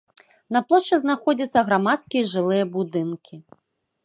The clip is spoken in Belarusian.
На плошчы знаходзяцца грамадскія і жылыя будынкі.